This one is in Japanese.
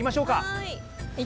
はい！